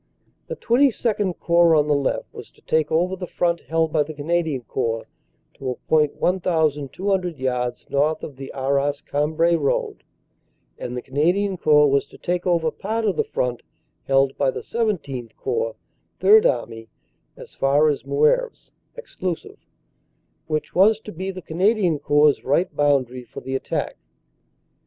"The XXII Corps on the left was to take over the front held by the Canadian Corps to a point 1,200 yards north of the Arras Cambrai Road, and the Canadian Corps was to take over part of the front held by the XVII Corps (Third Army) as far as Moeuvres (exclusive), which was to be the Canadian Corps right boundary for the attack.